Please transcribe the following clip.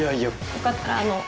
よかったらあの。